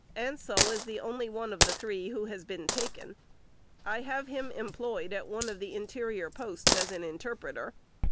Ansel is the only one of the three who has been taken. I have him employed, at one of the interior posts, as an interpreter.